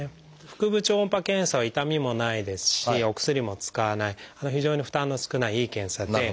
腹部超音波検査は痛みもないですしお薬も使わない非常に負担の少ないいい検査で。